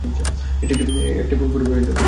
একটি ফোন পরিবারের জন্য।